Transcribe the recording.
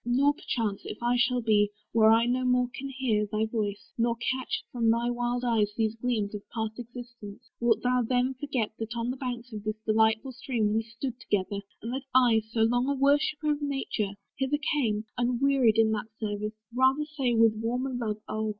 Nor, perchance, If I should be, where I no more can hear Thy voice, nor catch from thy wild eyes these gleams Of past existence, wilt thou then forget That on the banks of this delightful stream We stood together; and that I, so long A worshipper of Nature, hither came, Unwearied in that service: rather say With warmer love, oh!